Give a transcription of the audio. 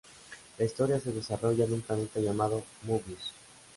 La historia se desarrolla en un planeta llamado Mobius.